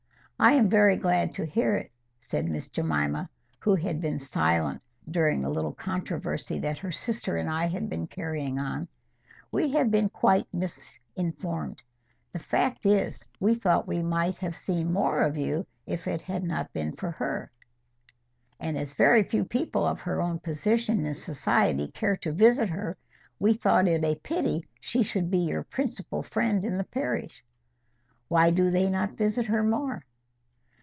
"I am very glad to hear it," said Miss Jemima, who had been silent during the little controversy that her sister and I had been carrying on. "We have been quite misinformed. The fact is, we thought we might have seen more of you if it had not been for her. And as very few people of her own position in society care to visit her, we thought it a pity she should be your principal friend in the parish." "Why do they not visit her more?"